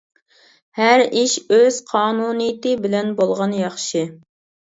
ھەر ئىش ئۆز قانۇنىيىتى بىلەن بولغان ياخشى.